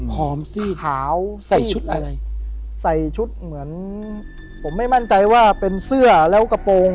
สีขาวใส่ชุดอะไรใส่ชุดเหมือนผมไม่มั่นใจว่าเป็นเสื้อแล้วกระโปรง